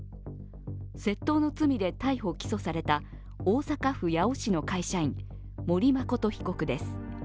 窃盗の罪で逮捕・起訴された大阪市八尾市の会社員、森誠被告です。